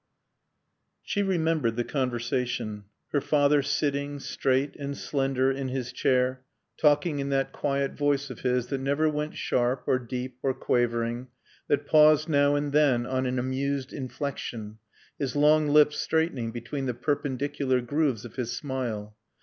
IV She remembered the conversation. Her father sitting, straight and slender, in his chair, talking in that quiet voice of his that never went sharp or deep or quavering, that paused now and then on an amused inflection, his long lips straightening between the perpendicular grooves of his smile.